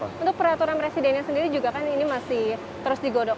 untuk peraturan presidennya sendiri juga kan ini masih terus digodok